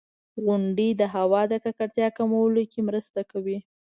• غونډۍ د هوا د ککړتیا کمولو کې مرسته کوي.